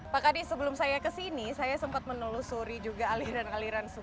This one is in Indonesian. pak kadi sebelum saya kesini saya sempat menelusuri juga aliran aliran sungai